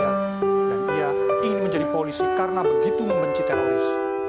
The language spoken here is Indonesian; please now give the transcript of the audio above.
dan dia ingin menjadi polisi karena begitu membenci teroris